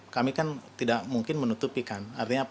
kami kan tidak mungkin menutupikan